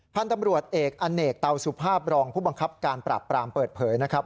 พันธุ์ตำรวจเอกอเนกเตาสุภาพรองผู้บังคับการปราบปรามเปิดเผยนะครับ